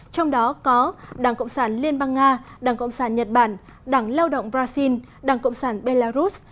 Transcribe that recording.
trong đó có đảng cộng sản liên bang nga đảng cộng sản nhật bản đảng lao động brazil đảng cộng sản belarus